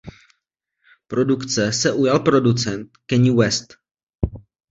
Produkce se ujal producent Kanye West.